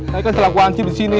saya kan selaku ansi di sini